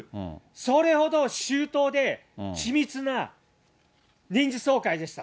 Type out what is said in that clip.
それほど周到で緻密な臨時総会でした。